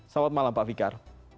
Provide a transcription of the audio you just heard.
selamat malam pak fikar